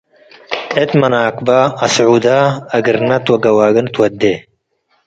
እት መናክበ፡ አስዑደ፣ አግርነት ወገዋግን ትወዴ ።